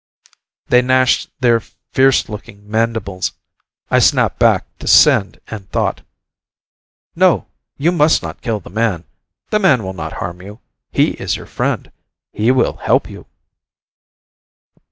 They gnashed their fierce looking mandibles. I snapped back to "send" and thought. "No ... you must not kill the man. The man will not harm you ... he is your friend. He will help you."